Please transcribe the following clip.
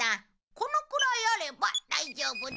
このくらいあれば大丈夫だ。